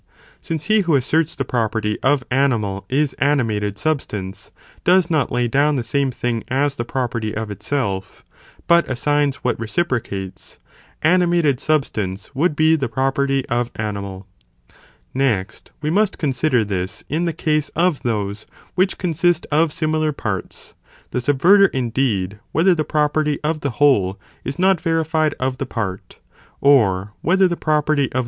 since he who asserts the property of animal is animated substance, does not lay down the same thing as the property of itself, but assigns what reciprocates, animated: substance would be the property of animal. 5. Whetherin NeXt, we must consider this in the case of those things those which consist of similar parts, the subverter Sfeimilarparts, indeed whether the property of the whole is not the property of verified of the part, or whether the property of a part, or of the <.